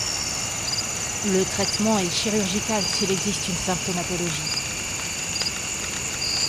Le traitement est chirurgical s'il existe une symptomatologie.